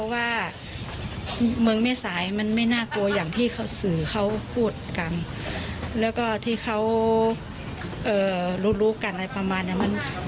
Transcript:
เพราะเขาก็ใช้ชีวิตปกติทุกอย่าง